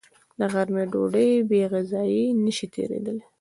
د غرمې ډوډۍ بېغذايي نشي تېرېدلی